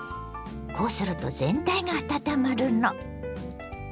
こうすると全体が温まるの。